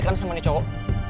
keren sama ni cowok